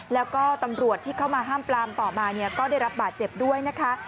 แล้วก็ตำรวจที่เข้ามาห้ามปลามต่อมาเนี่ยก็ได้รับบาดเจ็บด้วยนะคะ